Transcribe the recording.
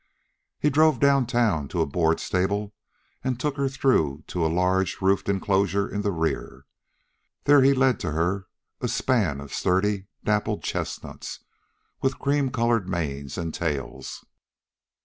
He drove down town to a board stable, and took her through to a large, roofed inclosure in the rear. There he led to her a span of sturdy dappled chestnuts, with cream colored manes and tails.